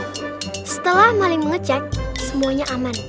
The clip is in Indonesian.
diatal setelah mali mengecek semuanya aman